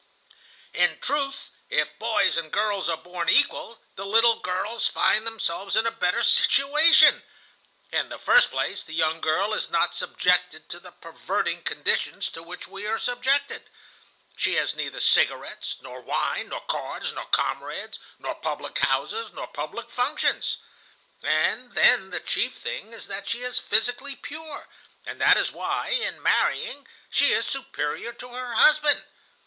"In truth, if boys and girls are born equal, the little girls find themselves in a better situation. In the first place, the young girl is not subjected to the perverting conditions to which we are subjected. She has neither cigarettes, nor wine, nor cards, nor comrades, nor public houses, nor public functions. And then the chief thing is that she is physically pure, and that is why, in marrying, she is superior to her husband.